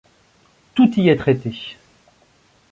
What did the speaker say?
Tout y est traité.